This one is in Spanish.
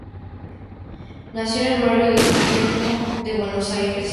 Nació en el barrio de San Telmo de Buenos Aires.